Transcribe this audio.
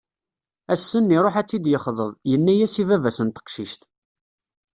Ass-nn iruḥ ad tt-id-yexḍeb, yenna-as i baba-s n teqcict.